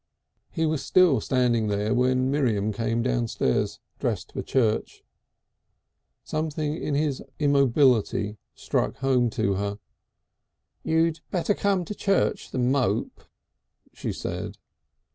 He was still standing there when Miriam came downstairs dressed for church. Something in his immobility struck home to her. "You'd better come to church than mope," she said.